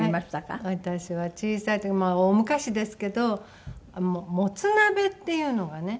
私は小さい時まあ大昔ですけどモツ鍋っていうのがね。